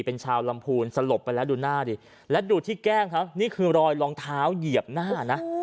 เป็นชาวลำพูนสลบไปแล้วดูหน้าดิและดูที่แก้มเขานี่คือรอยรองเท้าเหยียบหน้านะ